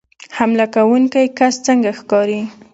حمله کوونکی کس څنګه ښکاري